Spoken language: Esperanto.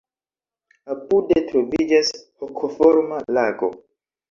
Apude troviĝas hokoforma lago.